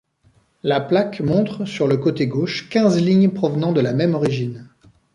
La plaque montre, sur le côté gauche, quinze lignes provenant de la même origine.